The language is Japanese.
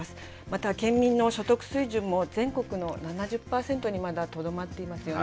また県民の所得水準も全国の７０％にまだとどまっていますよね。